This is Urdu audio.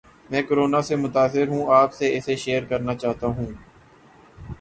میں کورونا سے متاثر ہوں اپ سے اسے شیئر کرنا چاہتا ہوں